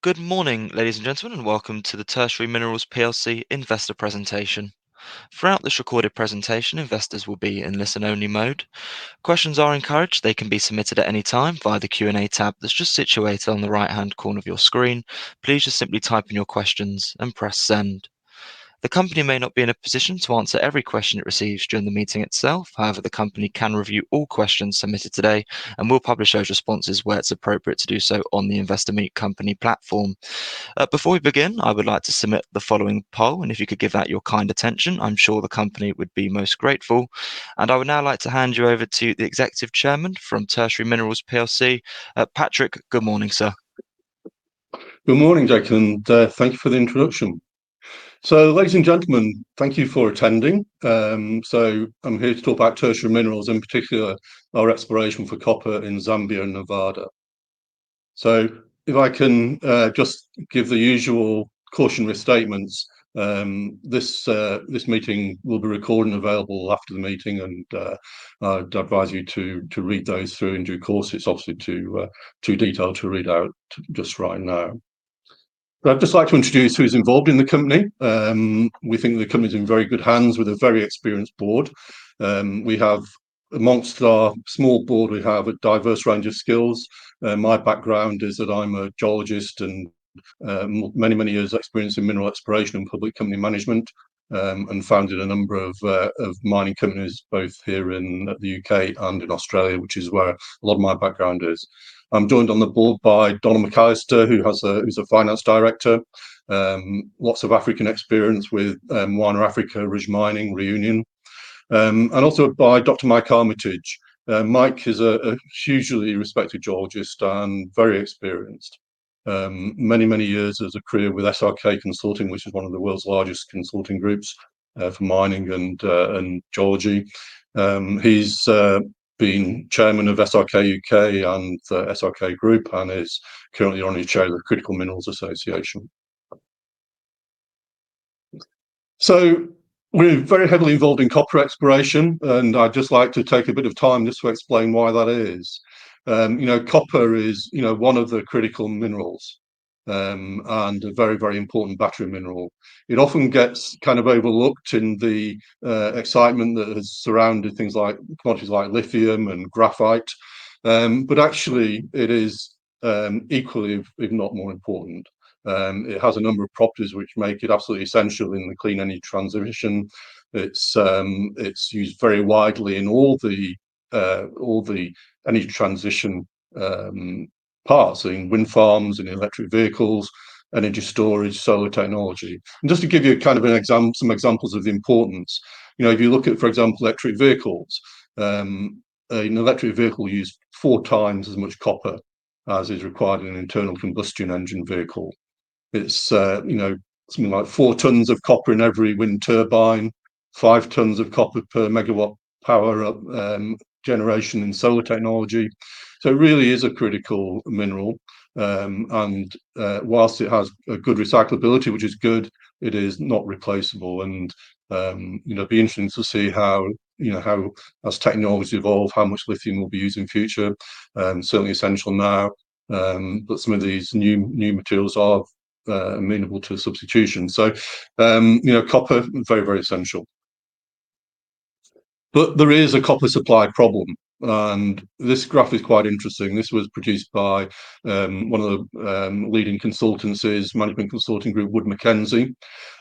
Good morning, ladies and gentlemen, and welcome to the Tertiary Minerals Plc investor presentation. Throughout this recorded presentation, investors will be in listen-only mode. Questions are encouraged. They can be submitted at any time via the Q&A tab that's just situated on the right-hand corner of your screen. Please just simply type in your questions and press send. The company may not be in a position to answer every question it receives during the meeting itself. However, the company can review all questions submitted today and will publish those responses where it's appropriate to do so on the Investor Meet Company platform. Before we begin, I would like to submit the following poll, and if you could give that your kind attention, I'm sure the company would be most grateful. I would now like to hand you over to the Executive Chairman from Tertiary Minerals Plc, Patrick. Good morning, sir. Good morning, Jackson, and thank you for the introduction. Ladies and gentlemen, thank you for attending. I'm here to talk about Tertiary Minerals, in particular, our exploration for copper in Zambia and Nevada. If I can just give the usual cautionary statements, this meeting will be recorded and available after the meeting, and I'd advise you to read those through in due course. It's obviously too detailed to read out just right now. I'd just like to introduce who's involved in the company. We think the company's in very good hands with a very experienced board. Amongst our small board, we have a diverse range of skills. My background is that I'm a geologist and many years' experience in mineral exploration and public company management, and founded a number of mining companies, both here in the U.K. and in Australia, which is where a lot of my background is. I'm joined on the board by Donald McAlister, who's a Finance Director, lots of African experience with Mwana Africa, Ridge Mining, Reunion, also by Dr. Mike Armitage. Mike is a hugely respected geologist and very experienced, many years as a career with SRK Consulting, which is one of the world's largest consulting groups for mining and geology. He's been Chairman of SRK U.K. and the SRK Group and is currently Honorary Chair of the Critical Minerals Association. We're very heavily involved in copper exploration, and I'd just like to take a bit of time just to explain why that is. Copper is one of the critical minerals, and a very important battery mineral. It often gets kind of overlooked in the excitement that has surrounded commodities like lithium and graphite. Actually it is equally, if not more important. It has a number of properties which make it absolutely essential in the clean energy transition. It's used very widely in all the energy transition parts, in wind farms, in electric vehicles, energy storage, solar technology. Just to give you some examples of the importance, if you look at, for example, electric vehicles, an electric vehicle uses four times as much copper as is required in an internal combustion engine vehicle. It's something like four tons of copper in every wind turbine, five tons of copper per megawatt power generation in solar technology. It really is a critical mineral. Whilst it has a good recyclability, which is good, it is not replaceable. It'll be interesting to see how as technologies evolve, how much lithium we'll be using future. Certainly essential now, but some of these new materials are amenable to a substitution. Copper very essential. There is a copper supply problem, and this graph is quite interesting. This was produced by one of the leading consultancies, management consulting group, Wood Mackenzie.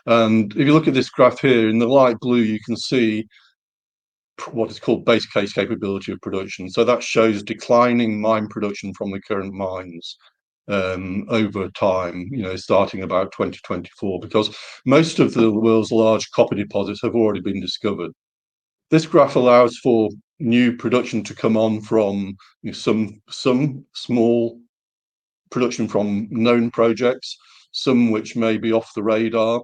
If you look at this graph here in the light blue, you can see what is called base case capability of production. That shows declining mine production from the current mines, over time starting about 2024, because most of the world's large copper deposits have already been discovered. This graph allows for new production to come on from some small production from known projects, some which may be off the radar.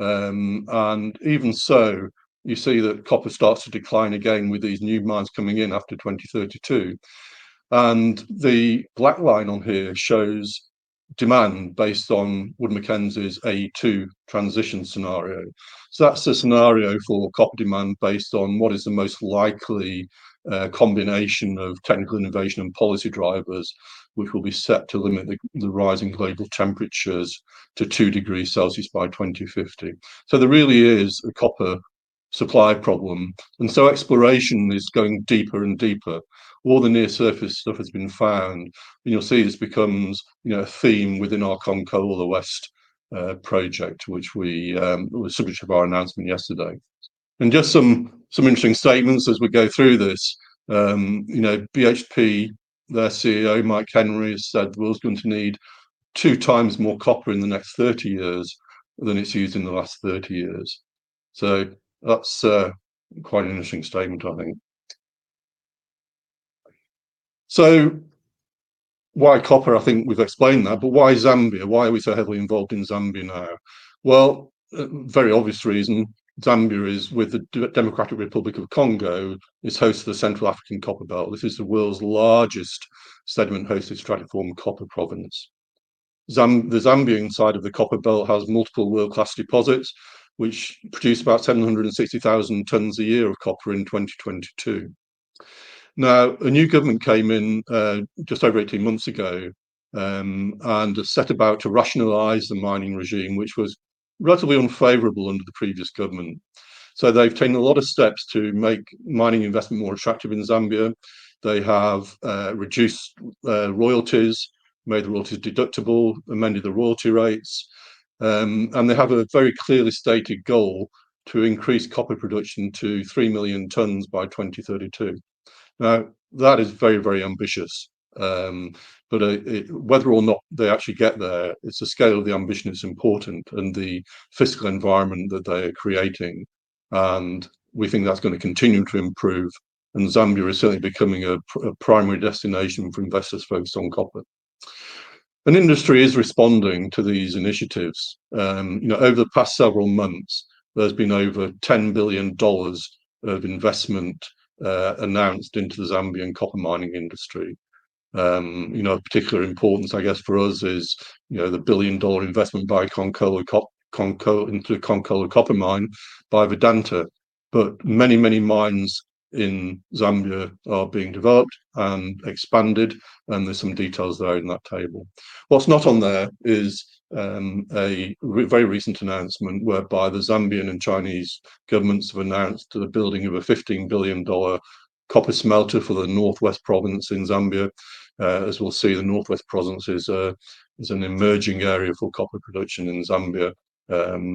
Even so, you see that copper starts to decline again with these new mines coming in after 2032. The black line on here shows demand based on Wood Mackenzie's AET-2 transition scenario. That's the scenario for copper demand based on what is the most likely combination of technical innovation and policy drivers, which will be set to limit the rising global temperatures to two degrees Celsius by 2050. There really is a copper supply problem, and so exploration is going deeper and deeper. All the near-surface stuff has been found, and you'll see this becomes a theme within our Konkola West project, which was the subject of our announcement yesterday. Just some interesting statements as we go through this. BHP, their CEO, Mike Henry, has said the world's going to need two times more copper in the next 30 years than it's used in the last 30 years. That's quite an interesting statement, I think. Why copper? I think we've explained that. Why Zambia? Why are we so heavily involved in Zambia now? Well, very obvious reason. Zambia, with the Democratic Republic of Congo, is host to the Central African Copperbelt, which is the world's largest sediment-hosted stratiform copper province. The Zambian side of the Copperbelt has multiple world-class deposits, which produced about 760,000 tons a year of copper in 2022. Now, a new government came in just over 18 months ago and has set about to rationalize the mining regime, which was relatively unfavorable under the previous government. They've taken a lot of steps to make mining investment more attractive in Zambia. They have reduced royalties, made the royalties deductible, amended the royalty rates, and they have a very clearly stated goal to increase copper production to 3 million tons by 2032. Now, that is very, very ambitious. Whether or not they actually get there, it's the scale of the ambition that's important and the fiscal environment that they are creating, and we think that's going to continue to improve, and Zambia is certainly becoming a primary destination for investors focused on copper. Industry is responding to these initiatives. Over the past several months, there's been over $10 billion of investment announced into the Zambian copper mining industry. Of particular importance, I guess, for us is the billion-dollar investment into the Konkola Copper Mine by Vedanta. Many, many mines in Zambia are being developed and expanded, and there's some details there in that table. What's not on there is a very recent announcement whereby the Zambian and Chinese governments have announced the building of a $15 billion copper smelter for the Northwest Province in Zambia. As we'll see, the Northwest Province is an emerging area for copper production in Zambia,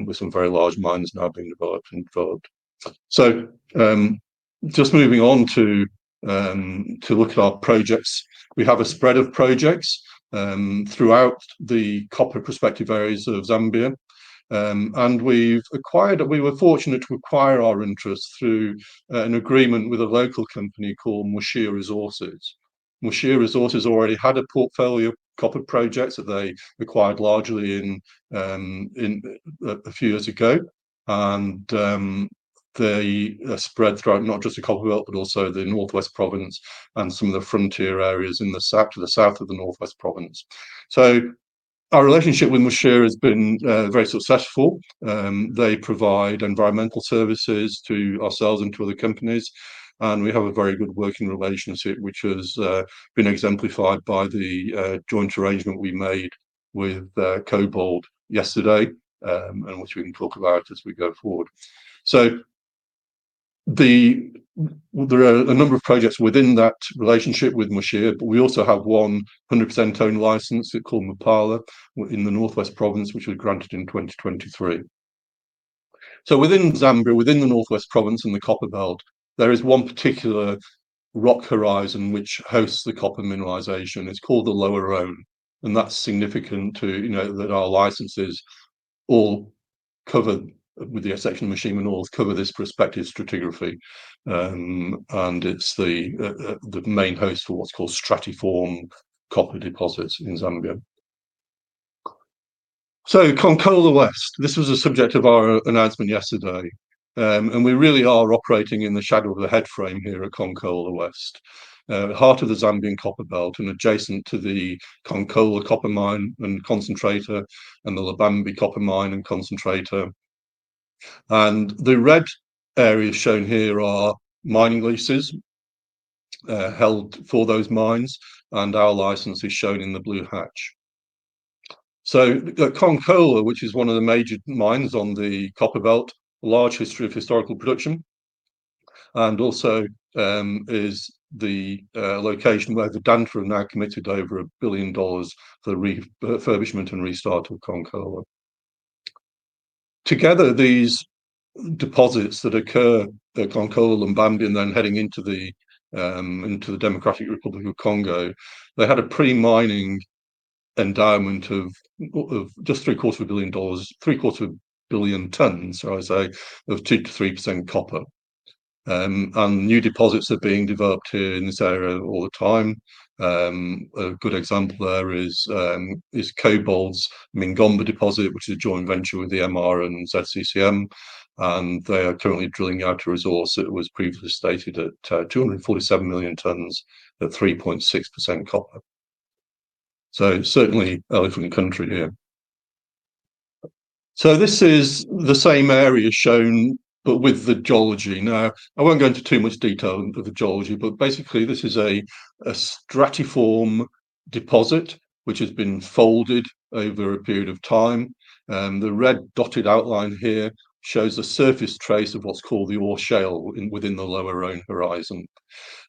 with some very large mines now being developed and improved. Just moving on to look at our projects, we have a spread of projects throughout the copper prospective areas of Zambia. We were fortunate to acquire our interest through an agreement with a local company called Mwashia Resources. Mwashia Resources already had a portfolio of copper projects that they acquired largely a few years ago. They are spread throughout not just the Copperbelt, but also the Northwest Province and some of the frontier areas in the south of the Northwest Province. Our relationship with Mwashia has been very successful. They provide environmental services to ourselves and to other companies, and we have a very good working relationship which has been exemplified by the joint arrangement we made with KoBold yesterday, and which we can talk about as we go forward. There are a number of projects within that relationship with Mwashia, but we also have one 100% owned license called Mupala in the Northwest Province, which was granted in 2023. Within Zambia, within the Northwest Province and the Copperbelt, there is one particular rock horizon which hosts the copper mineralization. It's called the Lower Roan, and that's significant too, that our licenses, with the exception of Mushima North, cover this prospective stratigraphy. It's the main host for what's called stratiform copper deposits in Zambia. Konkola West, this was a subject of our announcement yesterday. We really are operating in the shadow of the headframe here at Konkola West, heart of the Zambian Copperbelt and adjacent to the Konkola copper mine and concentrator and the Lubambe copper mine and concentrator. The red areas shown here are mining leases held for those mines, and our license is shown in the blue hatch. Konkola, which is one of the major mines on the Copperbelt, a large history of historical production, and also is the location where Vedanta have now committed over $1 billion for the refurbishment and restart of Konkola. Together, these deposits that occur at Konkola, Lubambe, and then heading into the Democratic Republic of Congo, they had a pre-mining endowment of just three-quarters of a billion tons, so I say, of 2%-3% copper. New deposits are being developed here in this area all the time. A good example there is KoBold's Mingomba deposit, which is a joint venture with EMR and ZCCM, and they are currently drilling out a resource that was previously stated at 247 million tons at 3.6% copper. Certainly elephant country here. This is the same area shown, but with the geology. Now, I won't go into too much detail of the geology, but basically this is a stratiform deposit which has been folded over a period of time. The red dotted outline here shows the surface trace of what's called the Ore Shale within the Lower Roan horizon.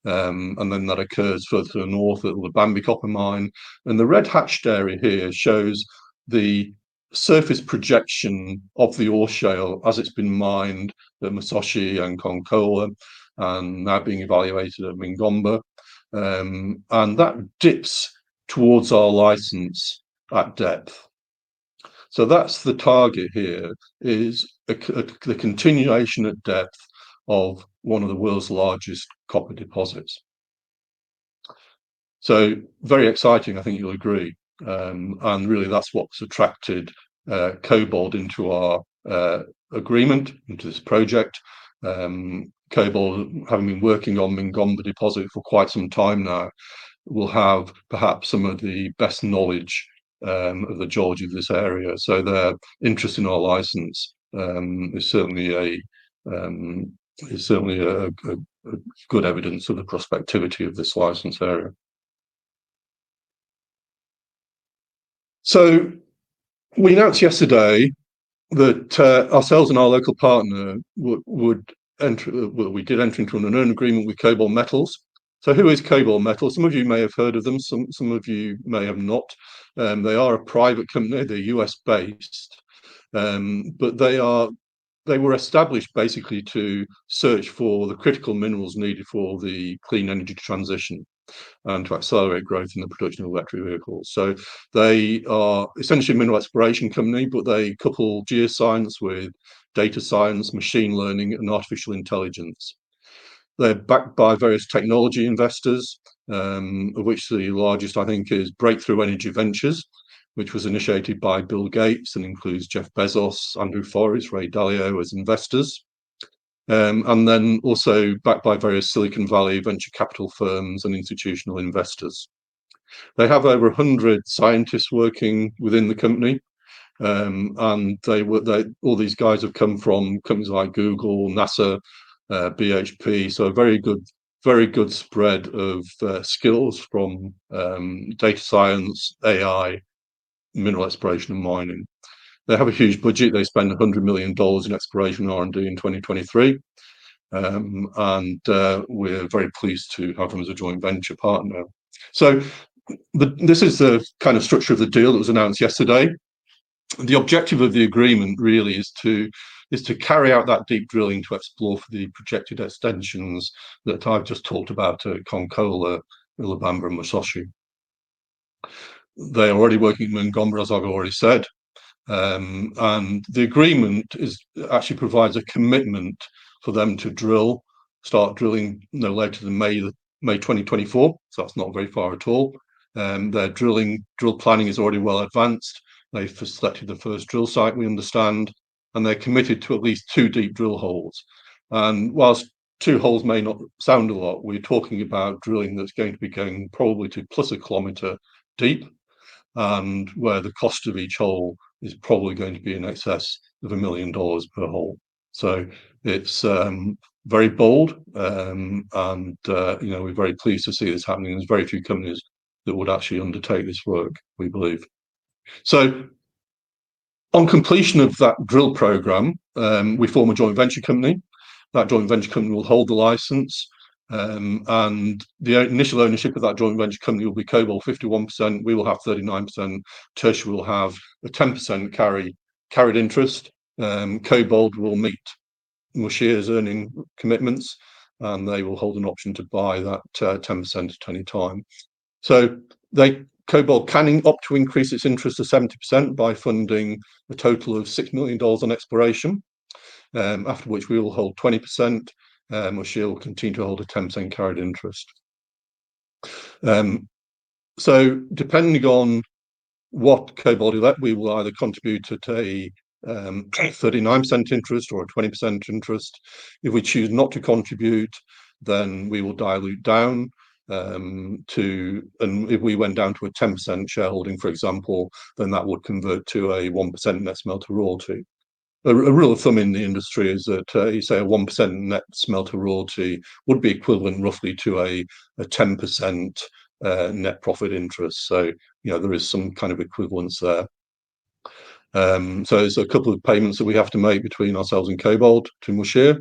That occurs further north at Lubambe copper mine. The red hatched area here shows the surface projection of the Ore Shale as it's been mined at Musoshi and Konkola and now being evaluated at Mingomba. That dips towards our license at depth. That's the target here, is the continuation at depth of one of the world's largest copper deposits. Very exciting, I think you'll agree. Really, that's what's attracted KoBold into our agreement, into this project. KoBold, having been working on Mingomba deposit for quite some time now, will have perhaps some of the best knowledge of the geology of this area. Their interest in our license is certainly a good evidence of the prospectivity of this license area. We announced yesterday that ourselves and our local partner, we did enter into an Earn-In agreement with KoBold Metals. Who is KoBold Metals? Some of you may have heard of them, some of you may have not. They are a private company. They're U.S. based. They were established basically to search for the critical minerals needed for the clean energy transition and to accelerate growth in the production of electric vehicles. They are essentially a mineral exploration company, but they couple geoscience with data science, machine learning, and artificial intelligence. They're backed by various technology investors, of which the largest, I think, is Breakthrough Energy Ventures, which was initiated by Bill Gates and includes Jeff Bezos, Andrew Forrest, Ray Dalio as investors, and also backed by various Silicon Valley venture capital firms and institutional investors. They have over 100 scientists working within the company. All these guys have come from companies like Google, NASA, BHP, a very good spread of skills from data science, AI, mineral exploration, and mining. They have a huge budget. They spent $100 million in exploration R&D in 2023. We're very pleased to have them as a joint venture partner. This is the kind of structure of the deal that was announced yesterday. The objective of the agreement really is to carry out that deep drilling to explore for the projected extensions that I've just talked about at Konkola, Lubambe, and Musoshi. They are already working in Mingomba, as I've already said. The agreement actually provides a commitment for them to start drilling no later than May 2024. That's not very far at all. Their drill planning is already well advanced. They've selected the first drill site, we understand, and they're committed to at least two deep drill holes. Whilst two holes may not sound a lot, we're talking about drilling that's going to be going probably to plus 1 km deep, and where the cost of each hole is probably going to be in excess of $1 million per hole. It's very bold. We're very pleased to see this happening. There's very few companies that would actually undertake this work, we believe. On completion of that drill program, we form a joint venture company. That joint venture company will hold the license. The initial ownership of that joint venture company will be KoBold 51%, we will have 39%, Tertiary will have a 10% carried interest. KoBold will meet Mwashia's earning commitments, and they will hold an option to buy that 10% at any time. KoBold can opt to increase its interest to 70% by funding a total of $6 million on exploration, after which we will hold 20%, Mwashia will continue to hold a 10% carried interest. Depending on what KoBold elect, we will either contribute to a 39% interest or a 20% interest. If we choose not to contribute, then we will dilute down to, and if we went down to a 10% shareholding, for example, then that would convert to a 1% net smelter royalty. A rule of thumb in the industry is that, you say a 1% net smelter royalty would be equivalent roughly to a 10% net profit interest. There is some kind of equivalence there. There's a couple of payments that we have to make between ourselves and KoBold to Mwashia,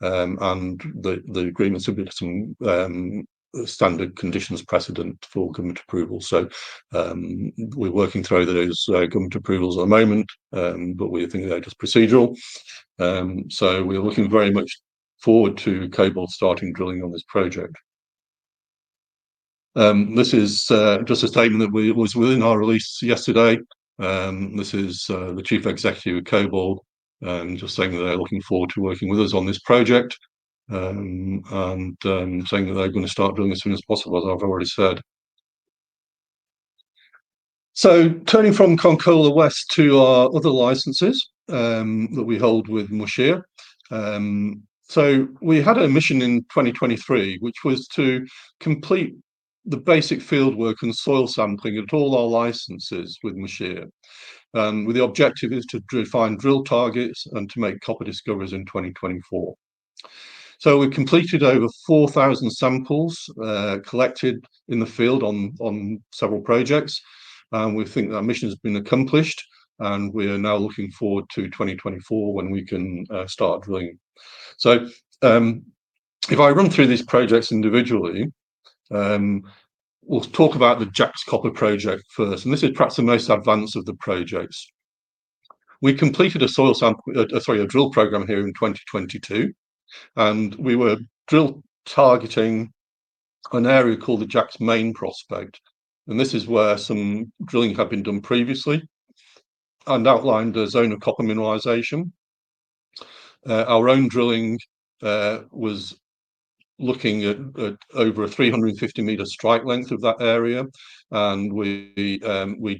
and the agreement's subject to some standard conditions precedent for government approval. We're working through those government approvals at the moment, but we are thinking they're just procedural. We are looking very much forward to KoBold starting drilling on this project. This is just a statement that was within our release yesterday. This is the Chief Executive at KoBold, just saying that they're looking forward to working with us on this project, and saying that they're going to start drilling as soon as possible, as I've already said. Turning from Konkola West to our other licenses that we hold with Mwashia, we had a mission in 2023, which was to complete the basic field work and soil sampling at all our licenses with Mwashia, with the objective is to find drill targets and to make copper discoveries in 2024. We've completed over 4,000 samples, collected in the field on several projects. We think that mission has been accomplished, and we are now looking forward to 2024 when we can start drilling. If I run through these projects individually, we'll talk about the Jacks Copper Project first, and this is perhaps the most advanced of the projects. We completed a drill program here in 2022, and we were drill targeting an area called the Jacks Main Prospect. This is where some drilling had been done previously and outlined a zone of copper mineralization. Our own drilling was looking at over a 350 m strike length of that area, and we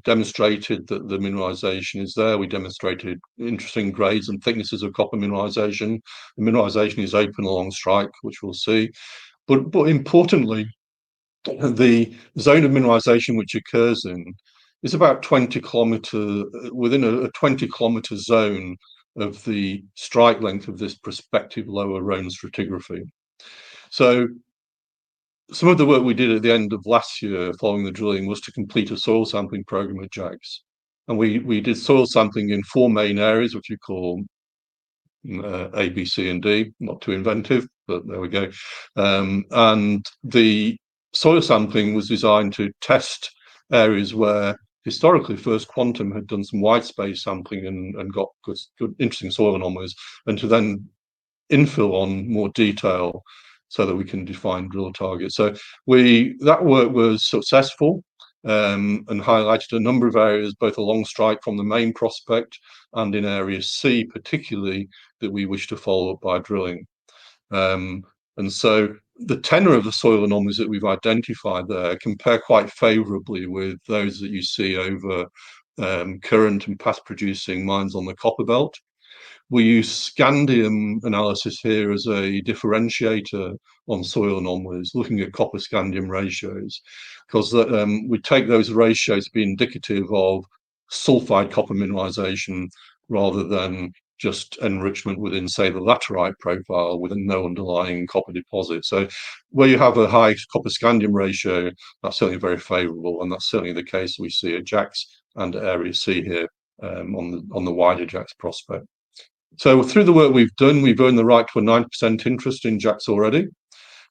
demonstrated that the mineralization is there. We demonstrated interesting grades and thicknesses of copper mineralization. The mineralization is open along strike, which we'll see. Importantly, the zone of mineralization is about within a 20 km zone of the strike length of this prospective Lower Roan stratigraphy. Some of the work we did at the end of last year following the drilling was to complete a soil sampling program at Jacks. We did soil sampling in four main areas, which we call A, B, C, and D. Not too inventive, but there we go. The soil sampling was designed to test areas where historically First Quantum had done some wide space sampling and got good, interesting soil anomalies, and to then infill on more detail so that we can define drill targets. That work was successful, and highlighted a number of areas, both along strike from the main prospect and in Area C particularly, that we wish to follow up by drilling. The tenor of the soil anomalies that we've identified there compare quite favorably with those that you see over current and past producing mines on the Copperbelt. We use scandium analysis here as a differentiator on soil anomalies, looking at copper-scandium ratios. Because we take those ratios to be indicative of sulfide copper mineralization rather than just enrichment within, say, the laterite profile with no underlying copper deposit. Where you have a high copper-scandium ratio, that's certainly very favorable, and that's certainly the case we see at Jacks and Area C here on the wider Jacks prospect. Through the work we've done, we've earned the right to a 90% interest in Jacks already.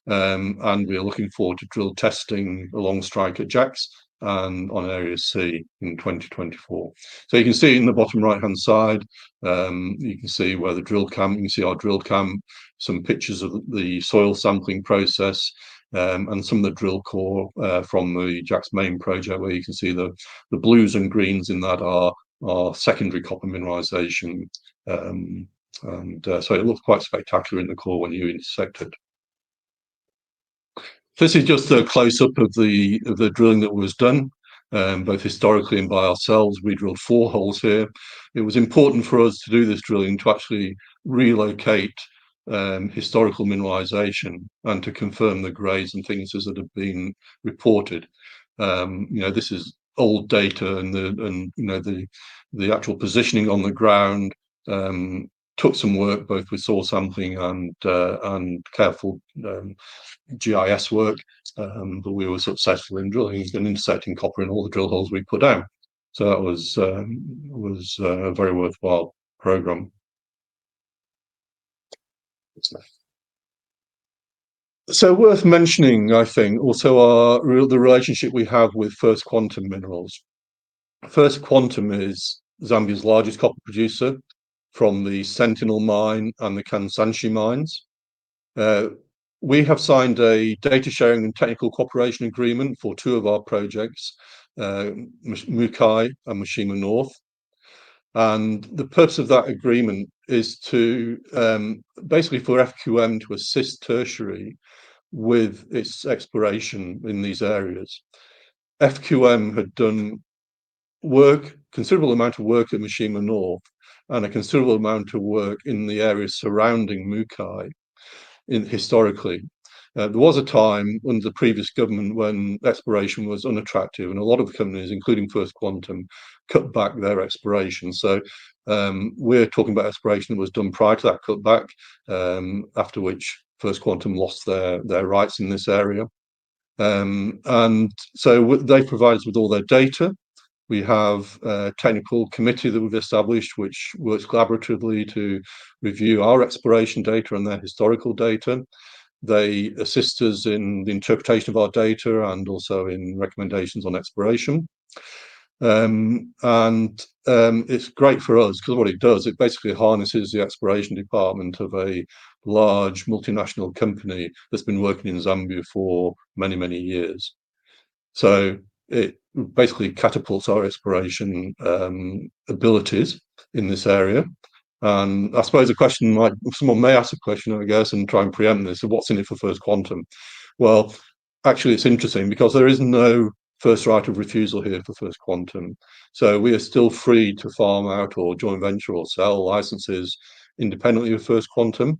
We are looking forward to drill testing along strike at Jacks and on Area C in 2024. You can see in the bottom right-hand side, you can see our drill camp, some pictures of the soil sampling process, and some of the drill core from the Jacks Main Project where you can see the blues and greens in that are secondary copper mineralization. It looks quite spectacular in the core when you intersect it. This is just a close-up of the drilling that was done, both historically and by ourselves. We drilled four holes here. It was important for us to do this drilling to actually relocate historical mineralization and to confirm the grades and things as it had been reported. This is old data, and the actual positioning on the ground took some work, both with soil sampling and careful GIS work, but we were successful in drilling and intersecting copper in all the drill holes we put down. That was a very worthwhile program. Worth mentioning, I think, also are the relationship we have with First Quantum Minerals. First Quantum is Zambia's largest copper producer from the Sentinel Mine and the Kansanshi Mines. We have signed a data-sharing and technical cooperation agreement for two of our projects, Mukai and Mushima North. The purpose of that agreement is to, basically for FQM to assist Tertiary with its exploration in these areas. FQM had done work, considerable amount of work at Mushima North and a considerable amount of work in the areas surrounding Mukai historically. There was a time under the previous government when exploration was unattractive and a lot of the companies, including First Quantum, cut back their exploration. We're talking about exploration that was done prior to that cutback, after which First Quantum lost their rights in this area. They've provided us with all their data. We have a technical committee that we've established which works collaboratively to review our exploration data and their historical data. They assist us in the interpretation of our data and also in recommendations on exploration. It's great for us because what it does, it basically harnesses the exploration department of a large multinational company that's been working in Zambia for many years. It basically catapults our exploration abilities in this area. I suppose someone may ask the question, I guess, and try and preempt this, so what's in it for First Quantum? Well, actually it's interesting because there is no first right of refusal here for First Quantum. We are still free to farm out or joint venture or sell licenses independently of First Quantum.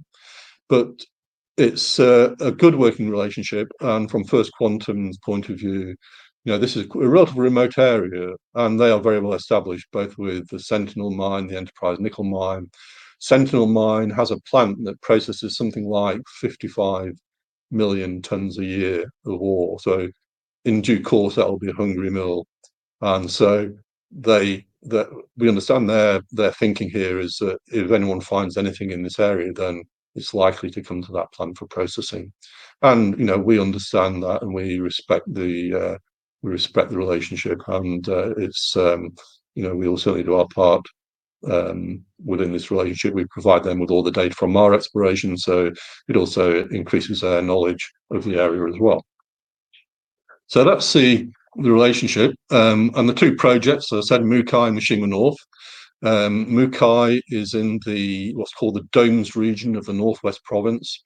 It's a good working relationship, and from First Quantum's point of view, this is a relatively remote area and they are very well established both with the Sentinel Mine, the Enterprise Nickel Mine. Sentinel Mine has a plant that processes something like 55 million tons a year of ore. In due course, that will be a hungry mill. We understand their thinking here is that if anyone finds anything in this area, then it's likely to come to that plant for processing. We understand that and we respect the relationship and we also do our part within this relationship. We provide them with all the data from our exploration, so it also increases their knowledge of the area as well. That's the relationship. The two projects, as I said, Mukai and Mushima North. Mukai is in what's called the Domes Region of the Northwest Province.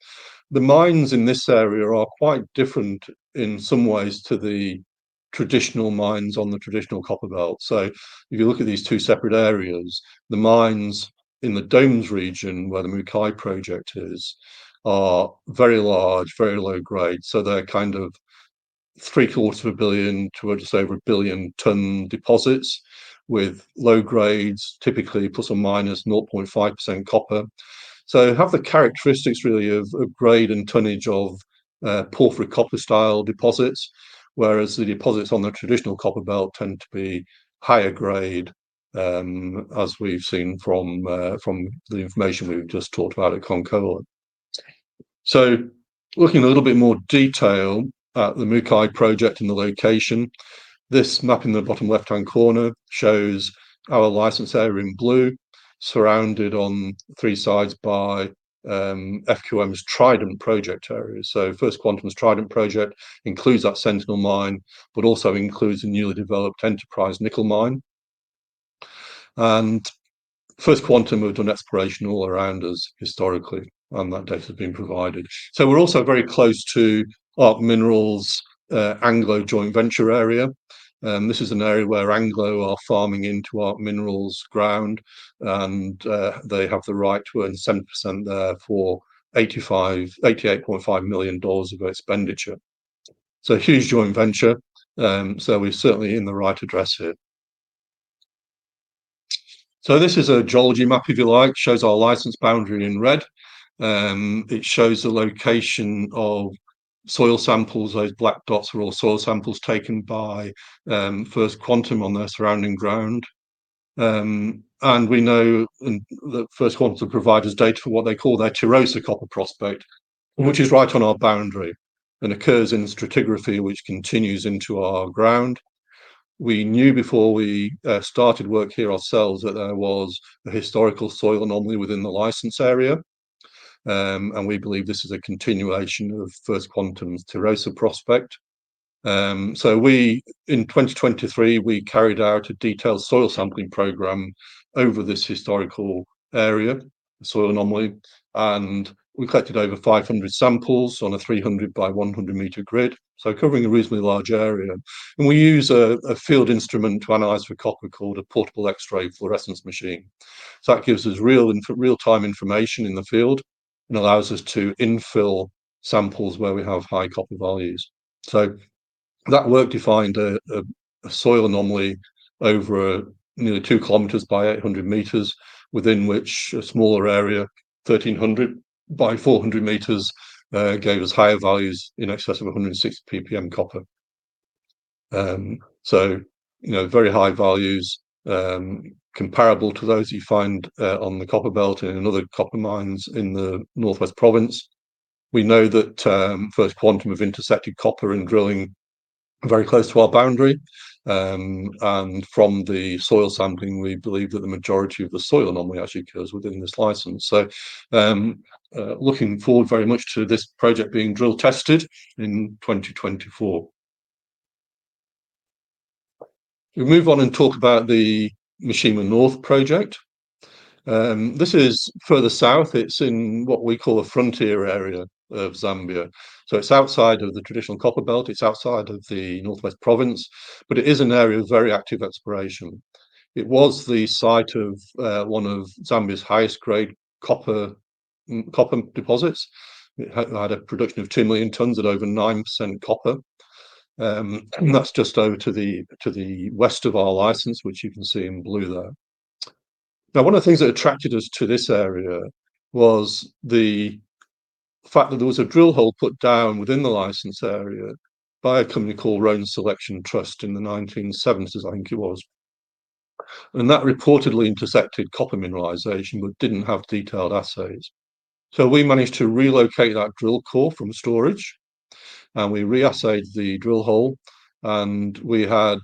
The mines in this area are quite different in some ways to the traditional mines on the traditional Copperbelt. If you look at these two separate areas, the mines in the Domes Region where the Mukai project is are very large, very low grade, so they're kind of 750 million tons to just over 1 billion ton deposits with low grades, typically ±0.5% copper. Have the characteristics really of grade and tonnage of porphyry copper-style deposits, whereas the deposits on the traditional Copperbelt tend to be higher grade, as we've seen from the information we've just talked about at Konkola. Looking in a little bit more detail at the Mukai Project and the location, this map in the bottom left-hand corner shows our license area in blue, surrounded on three sides by FQM's Trident Project areas. First Quantum's Trident Project includes that Sentinel Mine, but also includes a newly developed Enterprise Nickel Mine. First Quantum have done exploration all around us historically, and that data's been provided. We're also very close to Arc Minerals' Anglo Joint Venture area. This is an area where Anglo are farming into Arc Minerals' ground, and they have the right to earn 70% there for $88.5 million of expenditure. It's a huge joint venture, so we're certainly in the right address here. This is a geology map, if you like. It shows our license boundary in red. It shows the location of soil samples. Those black dots are all soil samples taken by First Quantum on their surrounding ground. We know that First Quantum provide us data for what they call their Tirosa copper prospect, which is right on our boundary and occurs in stratigraphy which continues into our ground. We knew before we started work here ourselves that there was a historical soil anomaly within the license area, and we believe this is a continuation of First Quantum's Tirosa prospect. In 2023, we carried out a detailed soil sampling program over this historical area, the soil anomaly, and we collected over 500 samples on a 300 m by 100 m grid, so covering a reasonably large area. We use a field instrument to analyze for copper called a portable X-ray fluorescence machine. That gives us real-time information in the field and allows us to infill samples where we have high copper values. That work defined a soil anomaly over nearly 2 km by 800 m, within which a smaller area, 1,300 m by 400 m, gave us higher values in excess of 160 PPM copper. Very high values, comparable to those you find on the Copperbelt in other copper mines in the Northwest Province. We know that First Quantum have intersected copper in drilling very close to our boundary. From the soil sampling, we believe that the majority of the soil anomaly actually occurs within this license. Looking forward very much to this project being drill tested in 2024. We move on and talk about the Mushima North project. This is further south. It's in what we call a frontier area of Zambia. It's outside of the traditional Copperbelt, it's outside of the Northwest Province, but it is an area of very active exploration. It was the site of one of Zambia's highest grade copper deposits. It had a production of 2 million tons at over 9% copper. That's just over to the west of our license, which you can see in blue there. Now, one of the things that attracted us to this area was the fact that there was a drill hole put down within the license area by a company called Roan Selection Trust in the 1970s, I think it was. That reportedly intersected copper mineralization but didn't have detailed assays. We managed to relocate that drill core from storage, and we re-assayed the drill hole, and we had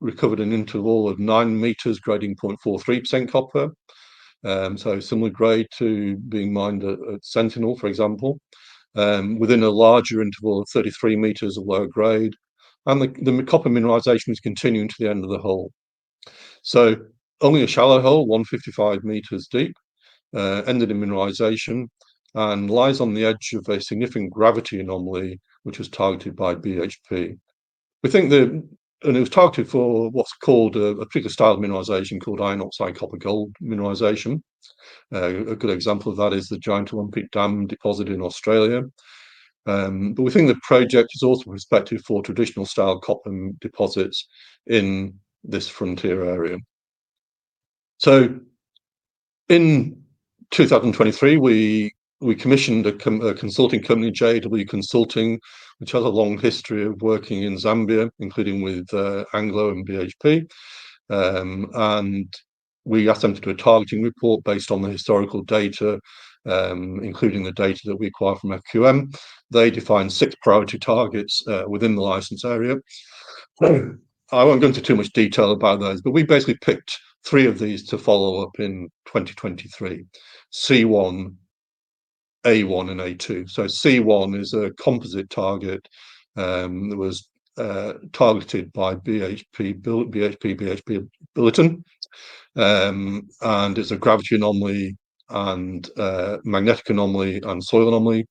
recovered an interval of 9 m grading 0.43% copper. A similar grade to being mined at Sentinel, for example, within a larger interval of 33 m of lower grade. The copper mineralization was continuing to the end of the hole. Only a shallow hole, 155 m deep, ended in mineralization and lies on the edge of a significant gravity anomaly which was targeted by BHP. It was targeted for what's called a particular style of mineralization called iron oxide copper gold mineralization. A good example of that is the giant Olympic Dam deposit in Australia. We think the project is also prospective for traditional style copper deposits in this frontier area. In 2023, we commissioned a consulting company, JW Consulting, which has a long history of working in Zambia, including with Anglo and BHP. We asked them to do a targeting report based on the historical data, including the data that we acquired from FQM. They defined six priority targets within the license area. I won't go into too much detail about those, but we basically picked three of these to follow up in 2023, C1, A1, and A2. C1 is a composite target that was targeted by BHP Billiton, and is a gravity anomaly and magnetic anomaly and soil anomaly.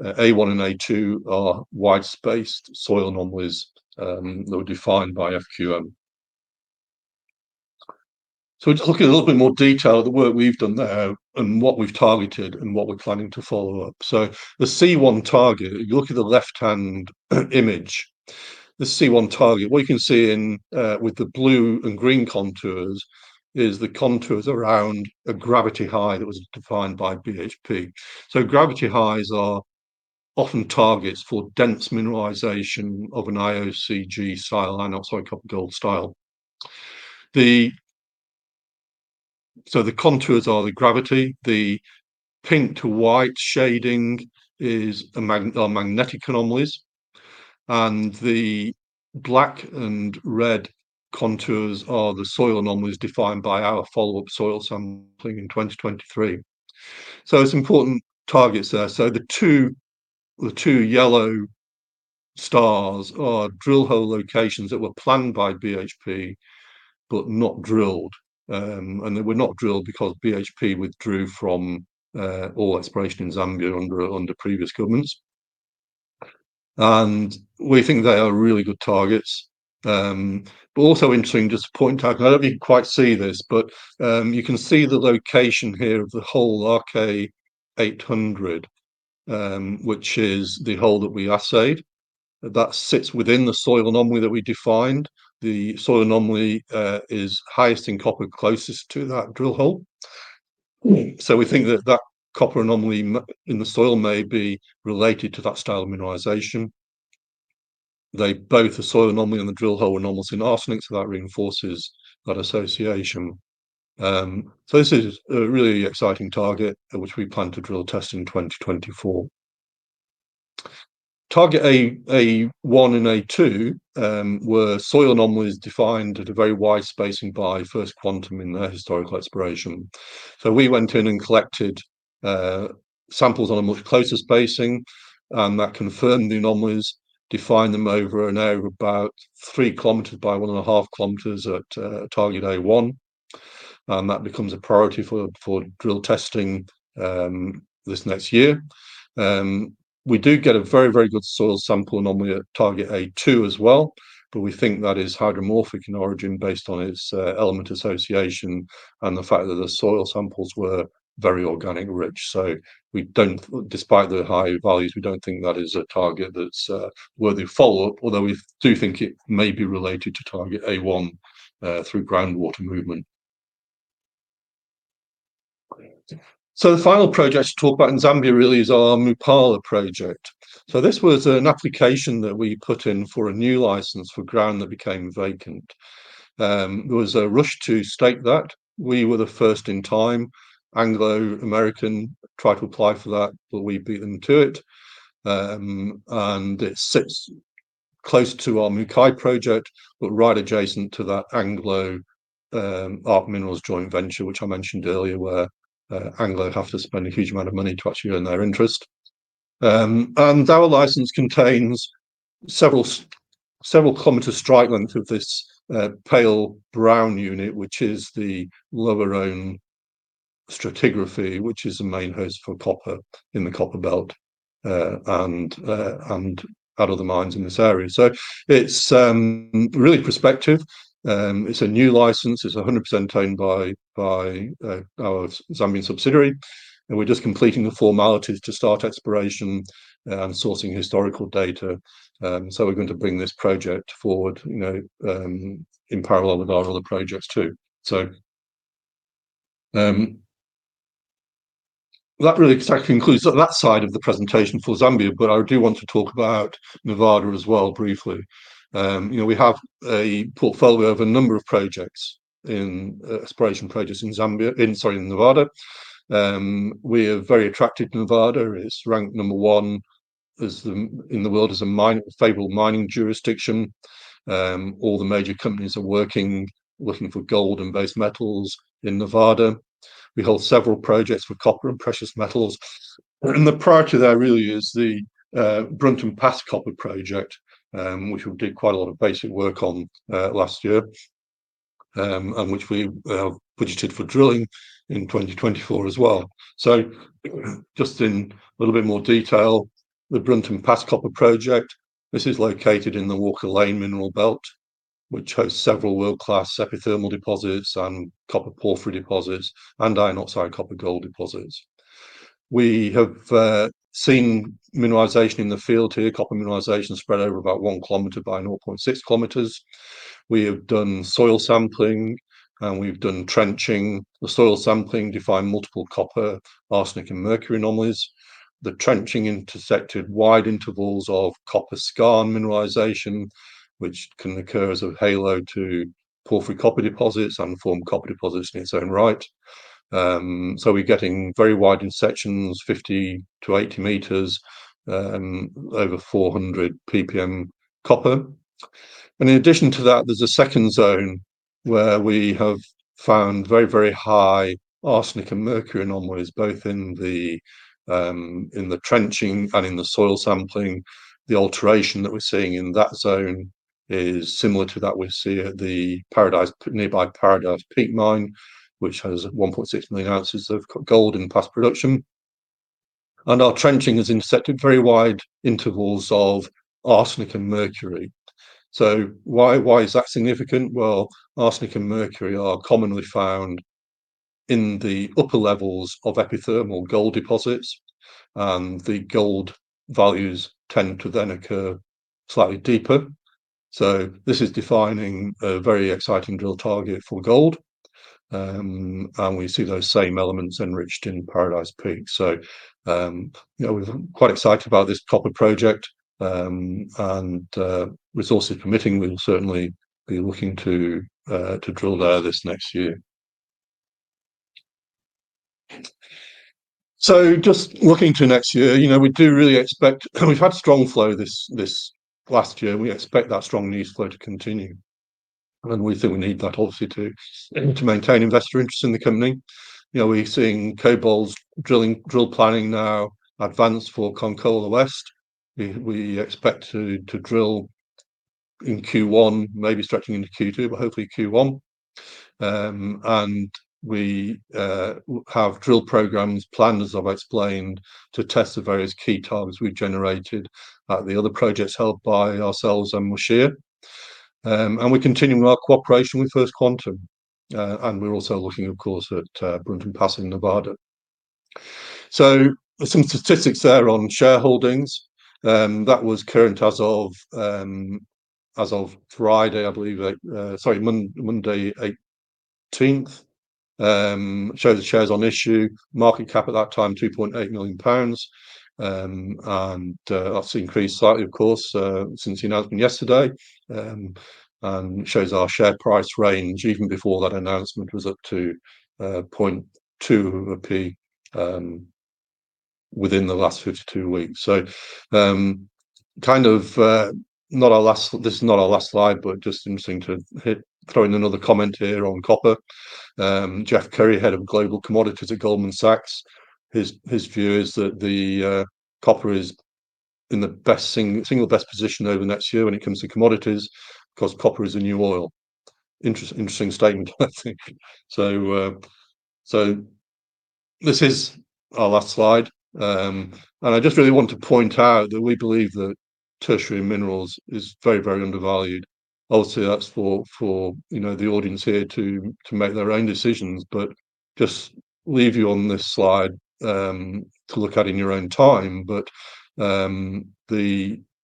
A1 and A2 are wide-spaced soil anomalies that were defined by FQM. To look in a little bit more detail the work we've done there and what we've targeted and what we're planning to follow up. You look at the left-hand image, the C1 target, what you can see with the blue and green contours is the contours around a gravity high that was defined by BHP. Gravity highs are often targets for dense mineralization of an IOCG style, Iron Oxide Copper Gold style. The contours are the gravity, the pink to white shading are magnetic anomalies, and the black and red contours are the soil anomalies defined by our follow-up soil sampling in 2023. It's important targets there. The two yellow stars are drill hole locations that were planned by BHP but not drilled. They were not drilled because BHP withdrew from all exploration in Zambia under previous governments. We think they are really good targets. Also interesting, just a point target, I don't know if you can quite see this, but you can see the location here of the hole, RK800, which is the hole that we assayed, that sits within the soil anomaly that we defined. The soil anomaly is highest in copper, closest to that drill hole. We think that that copper anomaly in the soil may be related to that style of mineralization. Both the soil anomaly and the drill hole were anomalous in arsenic, so that reinforces that association. This is a really exciting target, which we plan to drill test in 2024. Target A1 and A2 were soil anomalies defined at a very wide spacing by First Quantum in their historical exploration. We went in and collected samples on a much closer spacing, and that confirmed the anomalies, defined them over and over, about 3 km by 1.5 km at Target A1. That becomes a priority for drill testing this next year. We do get a very good soil sample anomaly at Target A2 as well, but we think that is hydromorphic in origin based on its element association and the fact that the soil samples were very organic-rich. Despite the high values, we don't think that is a target that's worthy of follow-up, although we do think it may be related to Target A1 through groundwater movement. The final project to talk about in Zambia really is our Mupala Project. This was an application that we put in for a new license for ground that became vacant. There was a rush to stake that. We were the first in time. Anglo American tried to apply for that, but we beat them to it. It sits close to our Mukai Project, but right adjacent to that Anglo Arc Minerals joint venture, which I mentioned earlier, where Anglo have to spend a huge amount of money to actually earn their interest. Our license contains several kilometer strike length of this pale brown unit, which is the Lower Roan stratigraphy, which is the main host for copper in the Copperbelt, and out of the mines in this area. It's really prospective. It's a new license. It's 100% owned by our Zambian subsidiary, and we're just completing the formalities to start exploration and sourcing historical data. We're going to bring this project forward in parallel with our other projects too. That really exactly concludes that side of the presentation for Zambia. I do want to talk about Nevada as well briefly. We have a portfolio of a number of exploration projects in Nevada. We're very attracted to Nevada. It's ranked number one in the world as a favorable mining jurisdiction. All the major companies are working, looking for gold and base metals in Nevada. We hold several projects for copper and precious metals. The priority there really is the Brunton Pass Copper Project, which we did quite a lot of basic work on last year, and which we have budgeted for drilling in 2024 as well. Just in a little bit more detail, the Brunton Pass Copper Project, this is located in the Walker Lane Mineral Belt, which hosts several world-class epithermal deposits and copper porphyry deposits and iron oxide copper gold deposits. We have seen mineralization in the field here, copper mineralization spread over about 1 km by 0.6 km. We have done soil sampling and we've done trenching. The soil sampling defined multiple copper, arsenic, and mercury anomalies. The trenching intersected wide intervals of copper skarn mineralization, which can occur as a halo to porphyry copper deposits and form copper deposits in its own right. We're getting very wide intersections, 50 m-80 m, over 400 PPM copper. In addition to that, there's a second zone where we have found very high arsenic and mercury anomalies, both in the trenching and in the soil sampling. The alteration that we're seeing in that zone is similar to that we see at the nearby Paradise Peak mine, which has 1.6 million ounces of gold in past production. Our trenching has intercepted very wide intervals of arsenic and mercury. Why is that significant? Well, arsenic and mercury are commonly found in the upper levels of epithermal gold deposits. The gold values tend to then occur slightly deeper. This is defining a very exciting drill target for gold. We see those same elements enriched in Paradise Peak. We're quite excited about this copper project. Resources permitting, we'll certainly be looking to drill there this next year. Just looking to next year, we've had strong flow this last year. We expect that strong news flow to continue. We think we need that, obviously, to maintain investor interest in the company. We're seeing KoBold's drill planning now advance for Konkola West. We expect to drill in Q1, maybe stretching into Q2, but hopefully Q1. We have drill programs planned, as I've explained, to test the various key targets we've generated at the other projects held by ourselves and Mwashia. We're continuing our cooperation with First Quantum. We're also looking, of course, at Brunton Pass in Nevada. Some statistics there on shareholdings. That was current as of Friday, I believe. Sorry, Monday 18th. Shows the shares on issue. Market cap at that time, 2.8 million pounds. That's increased slightly, of course, since the announcement yesterday. Shows our share price range, even before that announcement, was up to 0.002 within the last 52 weeks. This is not our last slide, but just interesting to throw in another comment here on copper. Jeff Currie, Head of Global Commodities at Goldman Sachs, his view is that the copper is in the single best position over the next year when it comes to commodities, because copper is the new oil. Interesting statement, I think. This is our last slide. I just really want to point out that we believe that Tertiary Minerals is very, very undervalued. Obviously, that's for the audience here to make their own decisions. Just leave you on this slide to look at in your own time.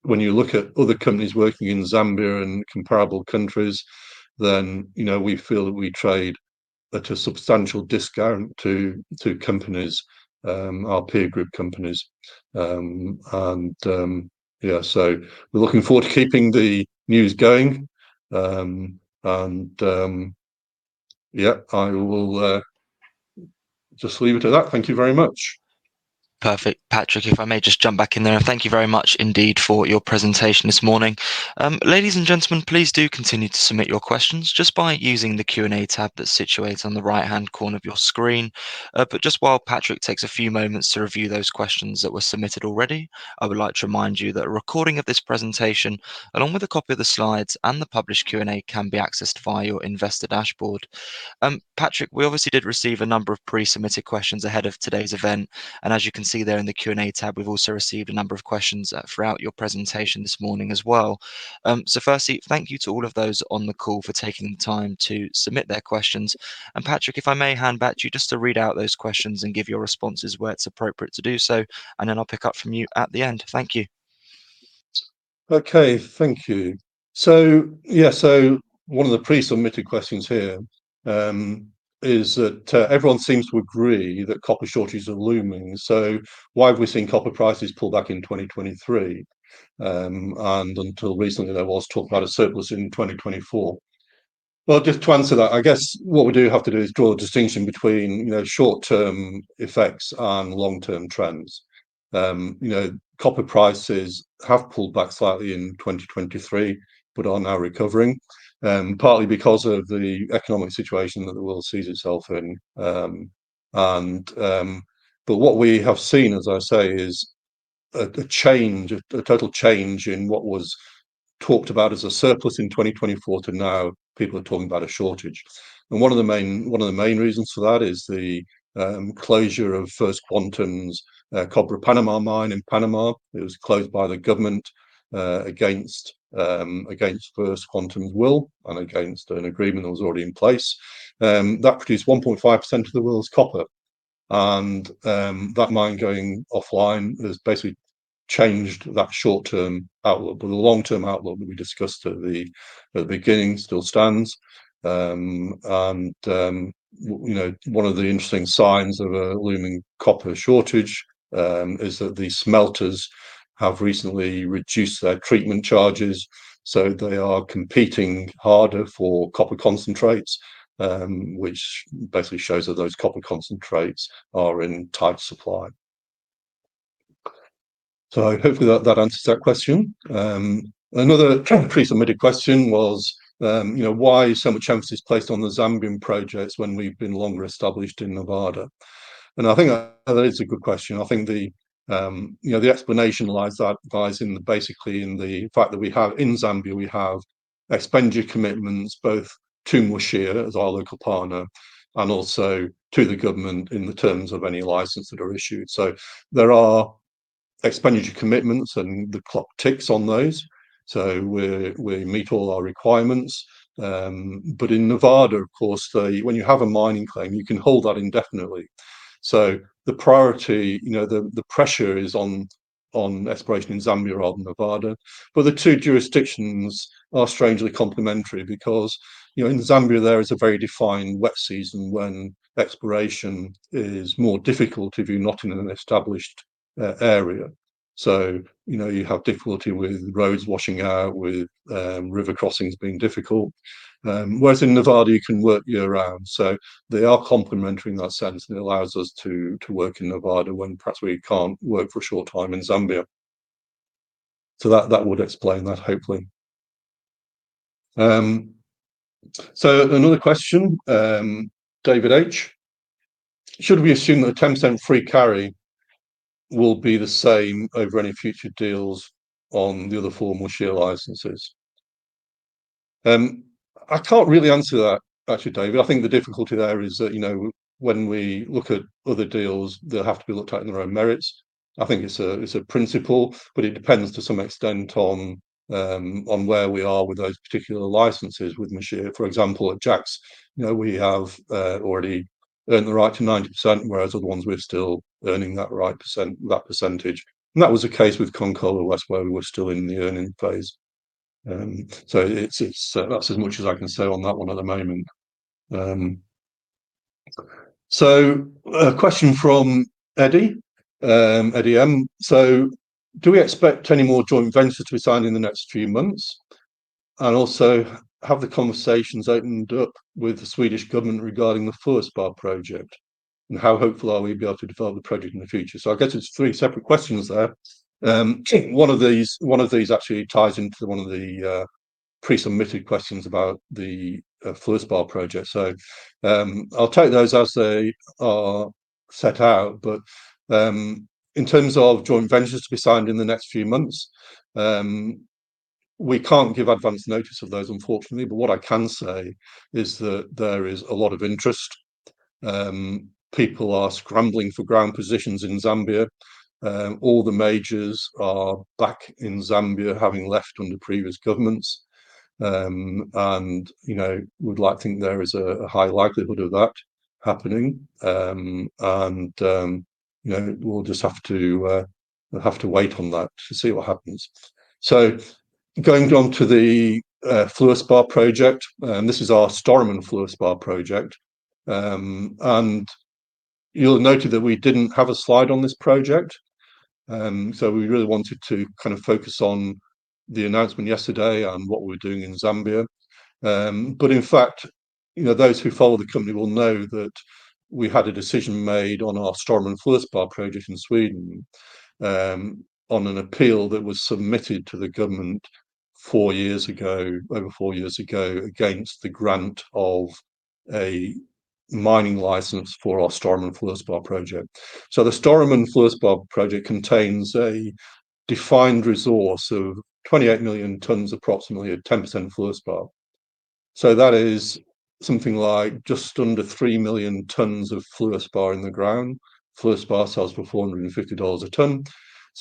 When you look at other companies working in Zambia and comparable countries, then we feel that we trade at a substantial discount to companies, our peer group companies. Yeah, so we're looking forward to keeping the news going. Yeah, I will just leave it at that. Thank you very much. Perfect, Patrick, if I may just jump back in there. Thank you very much indeed for your presentation this morning. Ladies and gentlemen, please do continue to submit your questions just by using the Q&A tab that's situated on the right-hand corner of your screen. Just while Patrick takes a few moments to review those questions that were submitted already, I would like to remind you that a recording of this presentation, along with a copy of the slides and the published Q&A, can be accessed via your investor dashboard. Patrick, we obviously did receive a number of pre-submitted questions ahead of today's event. As you can see there in the Q&A tab, we've also received a number of questions throughout your presentation this morning as well. Firstly, thank you to all of those on the call for taking the time to submit their questions. Patrick, if I may hand back to you just to read out those questions and give your responses where it's appropriate to do so, and then I'll pick up from you at the end. Thank you. Okay. Thank you. Yeah. One of the pre-submitted questions here is that everyone seems to agree that copper shortages are looming. Why have we seen copper prices pull back in 2023? Until recently, there was talk about a surplus in 2024. Well, just to answer that, I guess what we do have to do is draw a distinction between short-term effects and long-term trends. Copper prices have pulled back slightly in 2023 but are now recovering, partly because of the economic situation that the world sees itself in. What we have seen, as I say, is a total change in what was talked about as a surplus in 2024 to now people are talking about a shortage. One of the main reasons for that is the closure of First Quantum's Cobre Panama mine in Panama. It was closed by the government against First Quantum's will and against an agreement that was already in place. That produced 1.5% of the world's copper, and that mine going offline has basically changed that short-term outlook. The long-term outlook that we discussed at the beginning still stands. One of the interesting signs of a looming copper shortage is that the smelters have recently reduced their treatment charges. They are competing harder for copper concentrates, which basically shows that those copper concentrates are in tight supply. Hopefully that answers that question. Another pre-submitted question was why so much emphasis is placed on the Zambian projects when we've been longer established in Nevada? I think that is a good question. I think the explanation lies basically in the fact that in Zambia, we have expenditure commitments both to Mwashia as our local partner and also to the government in the terms of any license that are issued. There are expenditure commitments and the clock ticks on those. We meet all our requirements. In Nevada, of course, when you have a mining claim, you can hold that indefinitely. The priority, the pressure is on exploration in Zambia rather than Nevada. The two jurisdictions are strangely complementary because in Zambia there is a very defined wet season when exploration is more difficult if you're not in an established area. You have difficulty with roads washing out, with river crossings being difficult. Whereas in Nevada you can work year-round. They are complementary in that sense and it allows us to work in Nevada when perhaps we can't work for a short time in Zambia. That would explain that, hopefully. Another question, David H., should we assume that a 10% free carry will be the same over any future deals on the other four Mwashia licenses? I can't really answer that, actually, David. I think the difficulty there is that when we look at other deals, they'll have to be looked at in their own merits. I think it's a principle, but it depends to some extent on where we are with those particular licenses with Mwashia. For example, at Jacks we have already earned the right to 90%, whereas other ones we're still earning that right, that percentage. That was the case with Konkola West where we were still in the earning phase. That's as much as I can say on that one at the moment. A question from Eddie M. Do we expect any more joint ventures to be signed in the next few months? Also, have the conversations opened up with the Swedish government regarding the fluorspar project, and how hopeful are we to be able to develop the project in the future? I guess it's three separate questions there. One of these actually ties into one of the pre-submitted questions about the fluorspar project. I'll take those as they are set out. In terms of joint ventures to be signed in the next few months, we can't give advance notice of those unfortunately. What I can say is that there is a lot of interest. People are scrambling for ground positions in Zambia. All the majors are back in Zambia having left under previous governments. We'd like to think there is a high likelihood of that happening. We'll just have to wait on that to see what happens. Going on to the Fluorspar Project, this is our Storuman Fluorspar Project. You'll have noted that we didn't have a slide on this project. We really wanted to focus on the announcement yesterday and what we're doing in Zambia. In fact, those who follow the company will know that we had a decision made on our Storuman fluorspar project in Sweden on an appeal that was submitted to the government over four years ago against the grant of a mining license for our Storuman Fluorspar Project. The Storuman Fluorspar Project contains a defined resource of 28 million tons approximately at 10% fluorspar That is something like just under 3 million tons of fluorspar in the ground. Fluorspar sells for $450 a ton.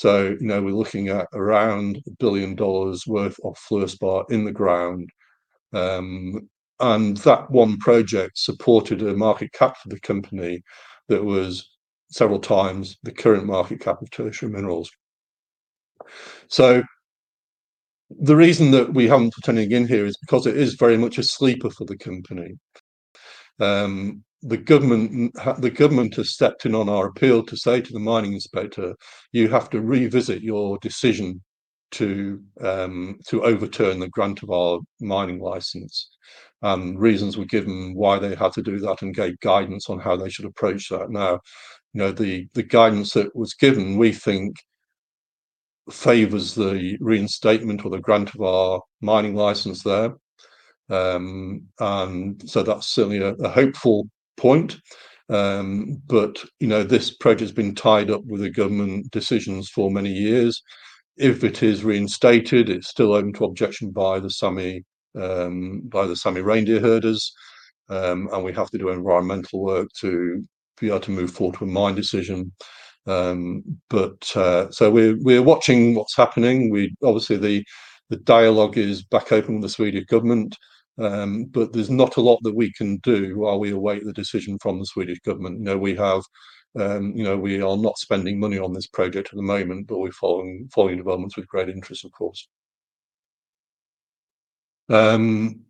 We're looking at around $1 billion worth of fluorspar in the ground. That one project supported a market cap for the company that was several times the current market cap of Tertiary Minerals. The reason that we haven't put anything in here is because it is very much a sleeper for the company. The government has stepped in on our appeal to say to the mining inspector, "You have to revisit your decision to overturn the grant of our mining license." Reasons were given why they had to do that and gave guidance on how they should approach that. Now, the guidance that was given we think favors the reinstatement or the grant of our mining license there. That's certainly a hopeful point. This project has been tied up with the government decisions for many years. If it is reinstated, it's still open to objection by the Sámi reindeer herders, and we have to do environmental work to be able to move forward to a mine decision. We're watching what's happening. Obviously the dialogue is back open with the Swedish government. There's not a lot that we can do while we await the decision from the Swedish government. We are not spending money on this project at the moment, but we're following developments with great interest, of course. Another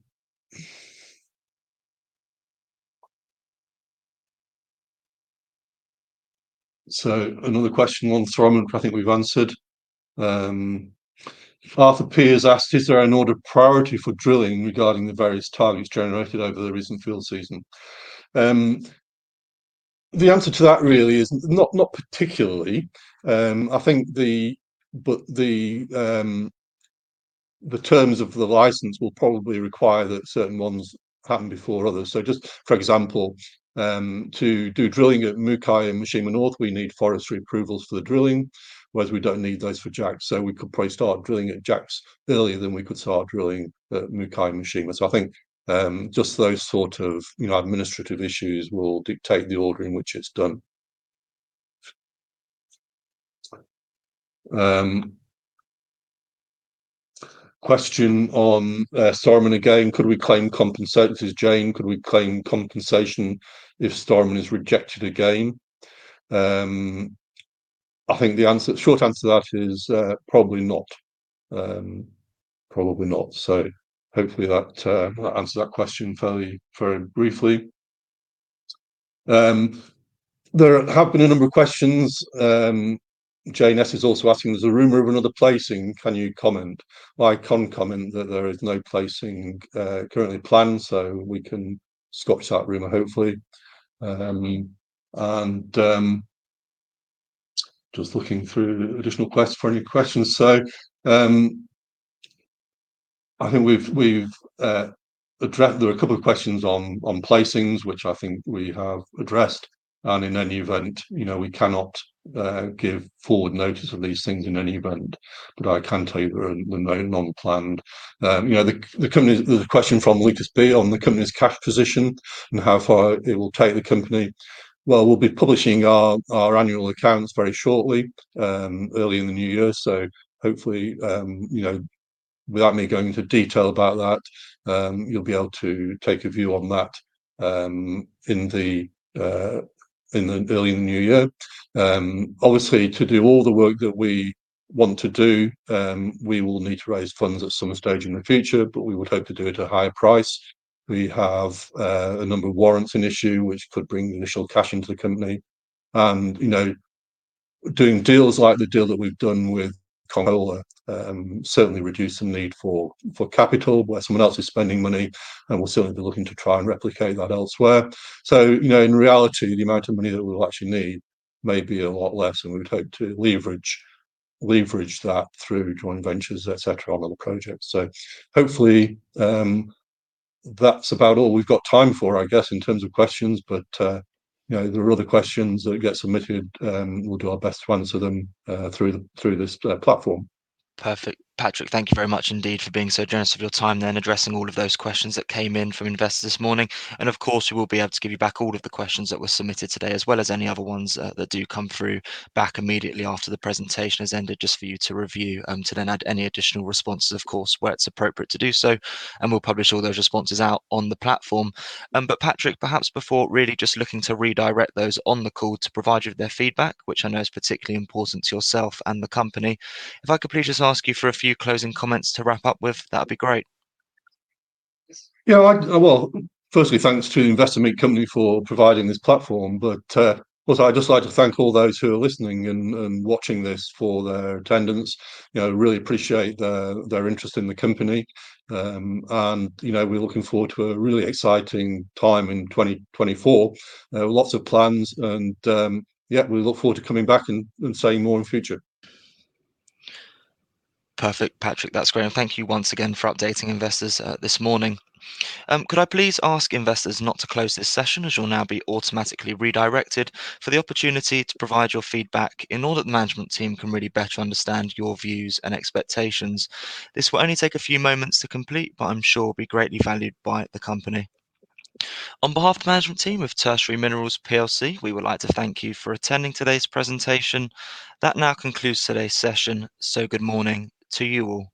question, one Storuman I think we've answered. Arthur P has asked, is there an order priority for drilling regarding the various targets generated over the recent field season? The answer to that really is not particularly. I think the terms of the license will probably require that certain ones happen before others. Just, for example, to do drilling at Mukai and Mushima North, we need forestry approvals for the drilling, whereas we don't need those for Jacks. We could probably start drilling at Jacks earlier than we could start drilling at Mukai and Mushima. I think, just those sort of administrative issues will dictate the order in which it's done. Question on Storuman again. This is Jane. Could we claim compensation if Storuman is rejected again? I think the short answer to that is probably not. Hopefully that answers that question fairly briefly. There have been a number of questions. Jane S. is also asking, "There's a rumor of another placing. Can you comment?" I can comment that there is no placing currently planned, so we can scotch that rumor, hopefully. Just looking through additional for any questions. I think there are a couple of questions on placings, which I think we have addressed. In any event, we cannot give forward notice of these things in any event, but I can tell you there are none planned. There's a question from Lucas B. on the company's cash position and how far it will take the company. Well, we'll be publishing our annual accounts very shortly, early in the new year. Hopefully, without me going into detail about that, you'll be able to take a view on that in the early new year. Obviously, to do all the work that we want to do, we will need to raise funds at some stage in the future, but we would hope to do it at a higher price. We have a number of warrants in issue, which could bring initial cash into the company. Doing deals like the deal that we've done with Konkola certainly reduce the need for capital, where someone else is spending money, and we'll certainly be looking to try and replicate that elsewhere. In reality, the amount of money that we'll actually need may be a lot less, and we would hope to leverage that through joint ventures, et cetera, on other projects. Hopefully, that's about all we've got time for, I guess, in terms of questions. If there are other questions that get submitted, we'll do our best to answer them through this platform. Perfect. Patrick, thank you very much indeed for being so generous with your time then addressing all of those questions that came in from investors this morning. Of course, we will be able to give you back all of the questions that were submitted today, as well as any other ones that do come through, back immediately after the presentation has ended, just for you to review to then add any additional responses, of course, where it's appropriate to do so, and we'll publish all those responses out on the platform. Patrick, perhaps before really just looking to redirect those on the call to provide you with their feedback, which I know is particularly important to yourself and the company, if I could please just ask you for a few closing comments to wrap up with, that'd be great. Yeah. Well, firstly, thanks to Investor Meet Company for providing this platform. Also I'd just like to thank all those who are listening and watching this for their attendance. I really appreciate their interest in the company. We're looking forward to a really exciting time in 2024, lots of plans, and yeah, we look forward to coming back and saying more in future. Perfect, Patrick. That's great. Thank you once again for updating investors this morning. Could I please ask investors not to close this session as you'll now be automatically redirected for the opportunity to provide your feedback in order that the management team can really better understand your views and expectations. This will only take a few moments to complete, but I'm sure will be greatly valued by the company. On behalf of the management team of Tertiary Minerals plc, we would like to thank you for attending today's presentation. That now concludes today's session. Good morning to you all.